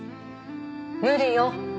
無理よ。